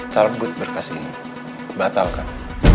calbut berkas ini batalkan